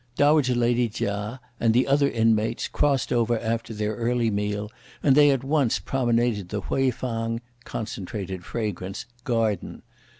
Dowager lady Chia and the other inmates crossed over after their early meal; and they at once promenaded the Hui Fang (Concentrated Fragrance) Garden.